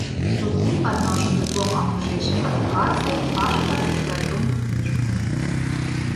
Туды падношу дыплом аб вышэйшай адукацыі, пашпарт і працоўную кніжку.